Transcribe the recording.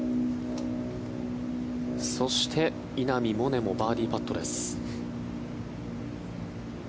そして、稲見萌寧もバーディーパットです。